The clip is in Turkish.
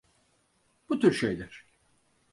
Bu tür şeyler.